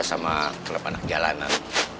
sama kelepanak jalanan